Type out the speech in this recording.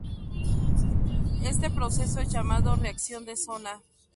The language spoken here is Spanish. Este proceso es llamado reacción de zona.